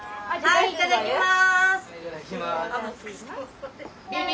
いただきます。